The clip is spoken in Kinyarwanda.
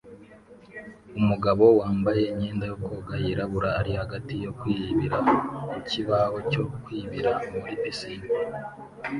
Umugabo wambaye imyenda yo koga yirabura ari hagati yo kwibira ku kibaho cyo kwibira muri pisine